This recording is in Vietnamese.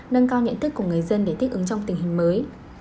nâng cao nhận thức của người dân để thích ứng trong tình hình mới